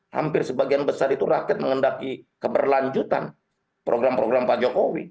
hampir sebagian besar itu rakyat mengendaki keberlanjutan program program pak jokowi